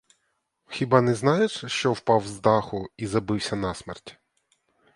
Хіба не знаєш, що впав із даху і забився на смерть?